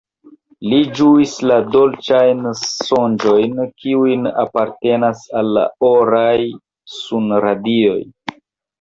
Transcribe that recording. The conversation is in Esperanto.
Li ĝuis la dolĉajn sonĝojn, kiujn alportas la oraj sunradioj.